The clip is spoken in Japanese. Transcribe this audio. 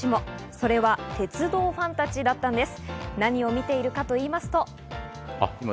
それは鉄道ファンたちだったんです。